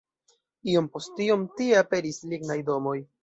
Iom post iom tie aperis lignaj domoj.